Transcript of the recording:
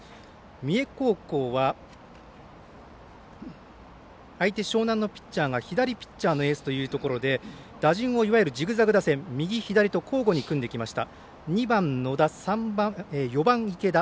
三重高校は相手樟南のピッチャーが左ピッチャーのエースということで打順をいわゆるジグザグ打線右左と交互に組んできました。